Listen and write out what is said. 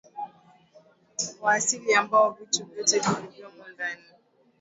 wa asili ambao vitu vyote vilivyomo ndani